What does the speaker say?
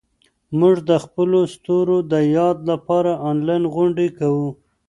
موږ د خپلو ستورو د یاد لپاره انلاین غونډې کوو.